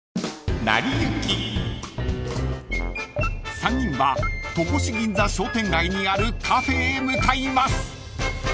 ［３人は戸越銀座商店街にあるカフェへ向かいます］